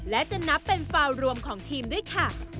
และจะนับเป็นฟาวรวมของทีมด้วยค่ะ